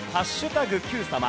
Ｑさま＃